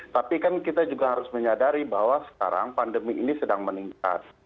tapi kan kita juga harus menyadari bahwa sekarang pandemi ini sedang meningkat